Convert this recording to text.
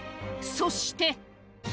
そして。